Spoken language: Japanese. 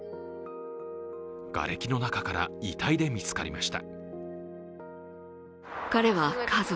がれきの中から遺体で見つかりました。